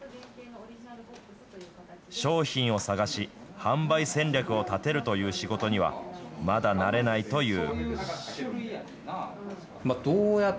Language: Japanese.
商品を探し、販売戦略を立てるという仕事には、まだ慣れないという。